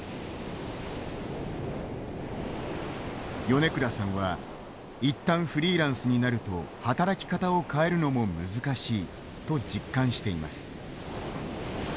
米倉さんは一旦フリーランスになると働き方を変えるのも難しいと実感しています。